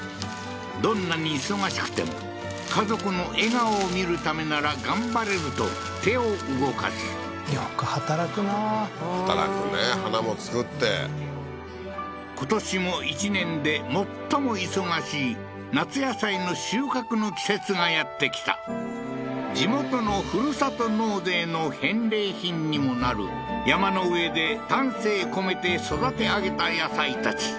どんなに忙しくても家族の笑顔を見るためなら頑張れると手を動かすよく働くな働くね花も作って今年も１年で最も忙しい夏野菜の収穫の季節がやって来た地元のふるさと納税の返礼品にもなる山の上で丹精込めて育て上げた野菜たち